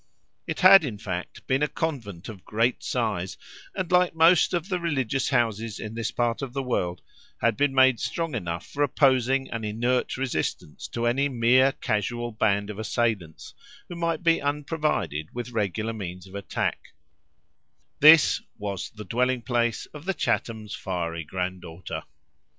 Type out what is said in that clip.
It had, in fact, been a convent of great size, and like most of the religious houses in this part of the world, had been made strong enough for opposing an inert resistance to any mere casual band of assailants who might be unprovided with regular means of attack: this was the dwelling place of the Chatham's fiery granddaughter.